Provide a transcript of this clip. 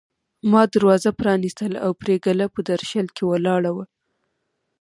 ما دروازه پرانيستله او پري ګله په درشل کې ولاړه وه